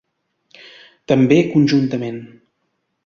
També conjuntament.